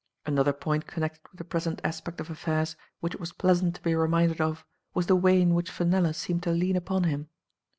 Another point connected with the present aspect of affairs, which it was pleasant to be reminded of, was the way in which Fenella seemed to lean upon him.